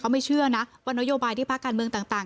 ไม่เชื่อนะว่านโยบายที่ภาคการเมืองต่าง